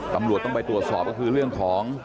ตำรวจต้องไปตรวจสอบก็คือเรื่องของ